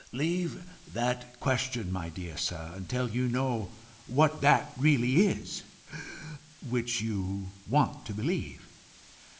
"Leave that question, my dear sir, until you know what that really is which you want to believe.